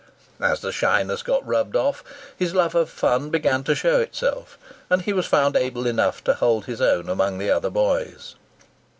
As the shyness got rubbed off, his love of fun began to show itself, and he was found able enough to hold his own amongst the other boys.